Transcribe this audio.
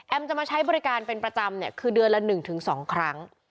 จะมาใช้บริการเป็นประจำเนี่ยคือเดือนละ๑๒ครั้ง